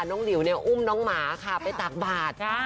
น้องริวเนี้ยอุ้มน้องหมาค่ะไปตากบาดค่ะ